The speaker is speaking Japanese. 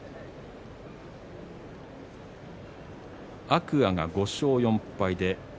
天空海が５勝４敗です。